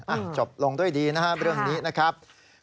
จบลงด้วยดีนะครับเรื่องนี้นะครับ